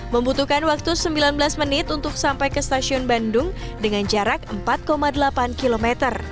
membutuhkan waktu sembilan belas menit untuk sampai ke stasiun bandung dengan jarak empat delapan km